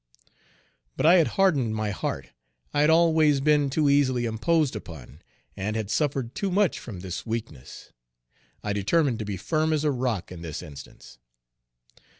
But I had hardened my heart. I had always been too easily imposed upon, and had suffered too much from this weakness. I determined to be firm as a rock in this instance.